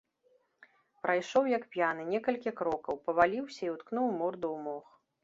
Прайшоў, як п'яны, некалькі крокаў, паваліўся і ўткнуў морду ў мох.